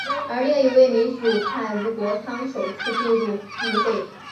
而另一位民主派吴国昌首次进入议会。